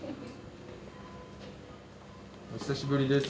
お久しぶりです。